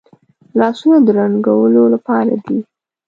لاسونه د رنګولو لپاره دي